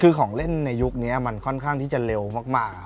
คือของเล่นในยุคนี้มันค่อนข้างที่จะเร็วมาก